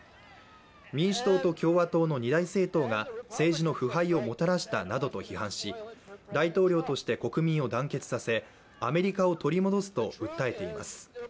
民主党と共和党の二大政党が政治の腐敗をもたらしたなどと批判し、大統領として国民を団結させアメリカを取り戻すと訴えています。